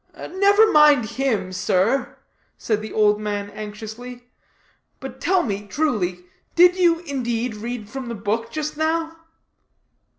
"Never mind him, sir," said the old man anxiously, "but tell me truly, did you, indeed, read from the book just now?"